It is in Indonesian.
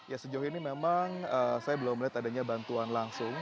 ya sejauh ini memang saya belum melihat adanya bantuan langsung